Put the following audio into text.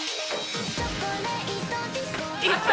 いった！